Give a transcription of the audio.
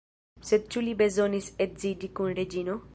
Sed ĉu li bezonis edziĝi kun Reĝino?